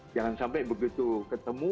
jangan sampai begitu ketemu